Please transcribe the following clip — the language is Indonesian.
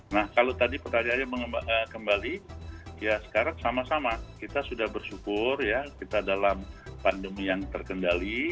nah kalau tadi pertanyaannya kembali ya sekarang sama sama kita sudah bersyukur ya kita dalam pandemi yang terkendali